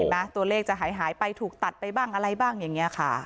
เห็นไหมตัวเลขจะหายหายไปถูกตัดไปบ้างอะไรบ้างอย่างเงี้ยค่ะ